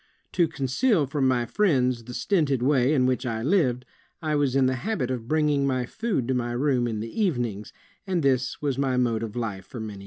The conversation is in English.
To conceal from my friends the stinted way in which I lived, I was in the habit of bringing my food to my room in the evenings, and this was my mode of life for many years."